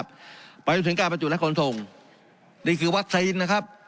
ไปจุดถึงการประจูดและคนทรงนี่คือวัสดีนะครับ